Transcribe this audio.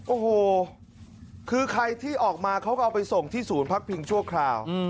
โอ้โหคือใครที่ออกมาเขาก็เอาไปส่งที่ศูนย์พักพิงชั่วคราว